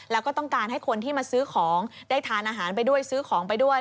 แล้วก็ต้องการให้คนที่มาซื้อของได้ทานอาหารไปด้วยซื้อของไปด้วย